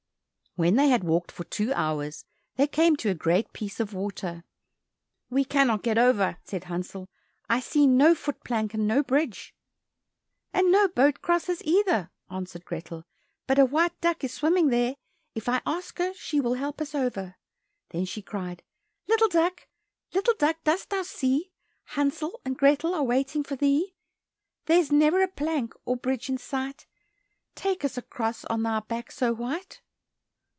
When they had walked for two hours, they came to a great piece of water. "We cannot get over," said Hansel, "I see no foot plank, and no bridge." "And no boat crosses either," answered Grethel, "but a white duck is swimming there; if I ask her, she will help us over." Then she cried, "Little duck, little duck, dost thou see, Hansel and Grethel are waiting for thee? There's never a plank, or bridge in sight, Take us across on thy back so white."